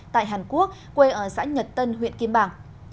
tại hàn quốc quê ở xã nhật tân huyện kim bảng